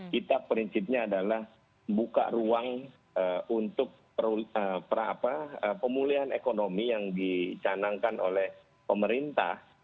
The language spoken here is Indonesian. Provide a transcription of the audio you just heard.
kita prinsipnya adalah buka ruang untuk pemulihan ekonomi yang dicanangkan oleh pemerintah